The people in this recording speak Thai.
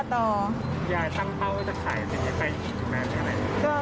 ยายตั้งเท่าจะขายไปอยู่ไหน